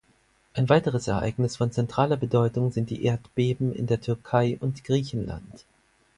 Ein weiteres Ereignis von zentraler Bedeutung sind die Erdbeben in der Türkei und Griechenland.